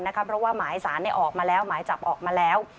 เพราะว่าหมายสารออกมาแล้วหมายจับออกมาแล้ว